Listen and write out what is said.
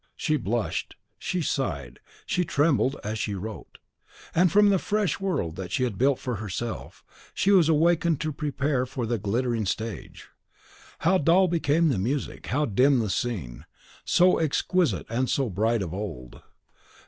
She blushed, she sighed, she trembled as she wrote. And from the fresh world that she had built for herself, she was awakened to prepare for the glittering stage. How dull became the music, how dim the scene, so exquisite and so bright of old.